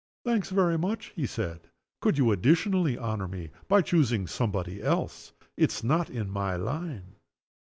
"Thanks very much," he said. "Could you additionally honor me by choosing somebody else? It's not in my line."